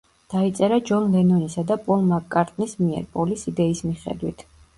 დაიწერა ჯონ ლენონისა და პოლ მაკ-კარტნის მიერ, პოლის იდეის მიხედვით.